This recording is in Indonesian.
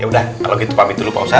yaudah kalau gitu pamit dulu pak ustadz